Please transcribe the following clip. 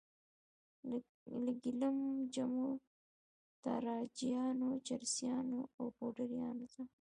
له ګیلم جمو، تاراجیانو، چرسیانو او پوډریانو څخه.